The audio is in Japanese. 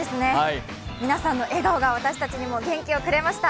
皆さんの笑顔が私たちにも元気をくれました。